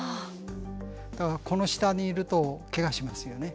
だからこの下にいるとけがしますよね。